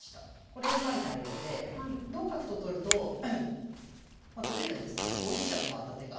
これうまい対応で同角と取るとまあ取れるんですけど５二飛車と回った手が。